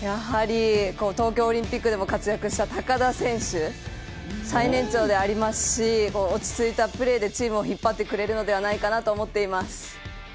東京オリンピックでも活躍した高田選手、最年長でありますし落ち着いたプレーでチームを引っ張ってくれると思います。